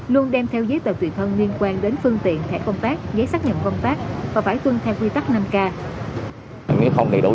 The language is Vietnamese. luôn đem theo giấy tờ tùy thân liên quan đến phương tiện thẻ công tác